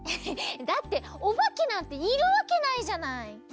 だっておばけなんているわけないじゃない。